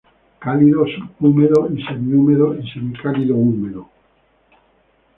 Cálido subhúmedo y semihúmedo y semicálido húmedo.